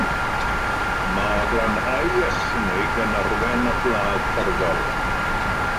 Mae glanhau ethnig yn arwain at ladd torfol.